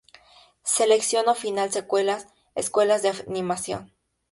Selección oficial Escuelas de animación.